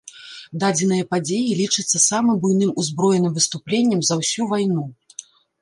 Дадзеныя падзеі лічацца самым буйным узброеным выступленнем за ўсю вайну.